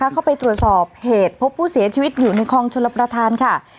เข้าไปตรวจสอบเหตุพบผู้เสียชีวิตอยู่ในคลองชลประธานค่ะ